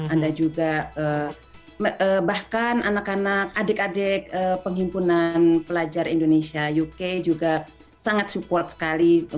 anda juga bahkan anak anak adik adik penghimpunan pelajar indonesia uk juga sangat support sekali